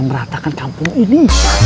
meratakan kampung ini